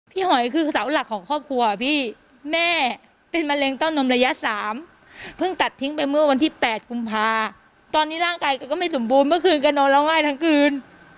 หอยคือเสาหลักของครอบครัวพี่แม่เป็นมะเร็งเต้านมระยะ๓เพิ่งตัดทิ้งไปเมื่อวันที่๘กุมภาตอนนี้ร่างกายก็ไม่สมบูรณ์เมื่อคืนก็นอนร้องไห้ทั้งคืน